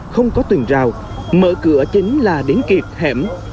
không có tường rào mở cửa chính là đến kiệt hẻm